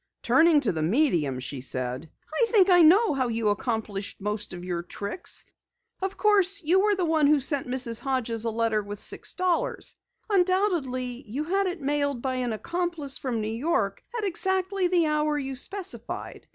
Turning to the medium she said: "I think I know how you accomplished most of your tricks. Of course, you were the one who sent Mrs. Hodges a letter with six dollars. Undoubtedly, you had it mailed by an accomplice from New York at exactly the hour you specified.